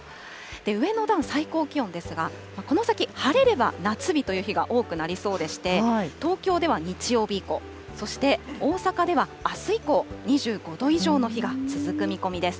上の段、最高気温ですが、この先、晴れれば夏日という日が多くなりそうでして、東京では日曜日以降、そして大阪ではあす以降、２５度以上の日が続く見込みです。